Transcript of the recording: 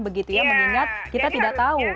mengingat kita tidak tahu